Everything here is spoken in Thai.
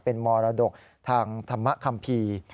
เป็นมรดกทางธรรมคัมภีร์